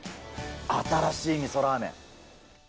新しいみそラーメン。